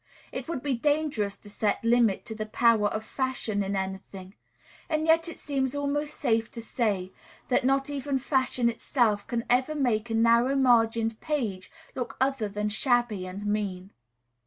It would be dangerous to set limit to the power of fashion in any thing; and yet it seems almost safe to say that not even fashion itself can ever make a narrow margined page look other than shabby and mean.